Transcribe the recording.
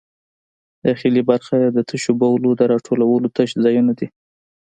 داخلي برخه د تشو بولو د راټولولو تش ځایونه دي.